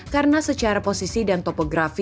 karena secara posisi dan topografi